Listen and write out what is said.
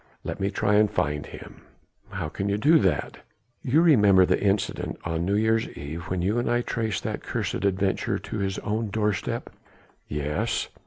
Let me try and find him." "How can you do that?" "You remember the incident on New Year's Eve, when you and I traced that cursed adventurer to his own doorstep?" "Yes!"